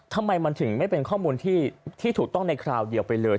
ทำไมมันถึงไม่เป็นข้อมูลที่ถูกต้องในคราวเดียวไปเลย